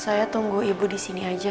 saya tunggu ibu disini aja